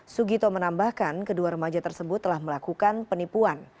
sugito menambahkan kedua remaja tersebut telah melakukan penipuan